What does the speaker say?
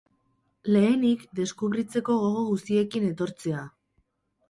Lehenik, deskubritzeko gogo guziekin etortzea.